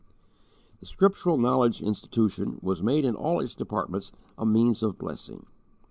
The Scriptural Knowledge Institution was made in all its departments a means of blessing.